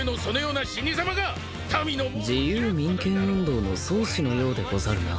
自由民権運動の壮士のようでござるな。